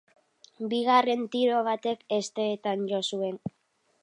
Bigarren tiro batek hesteetan jo zuen.